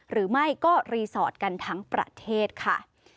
หรือไม่ก็รีสอร์ทกันทั้งประเทศค่ะ